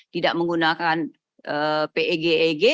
tidak menggunakan peg eg